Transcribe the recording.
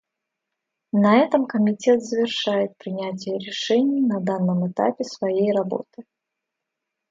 На этом Комитет завершает принятие решений на данном этапе своей работы.